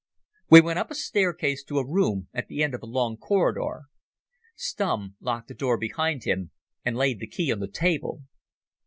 We went up a staircase to a room at the end of a long corridor. Stumm locked the door behind him and laid the key on the table.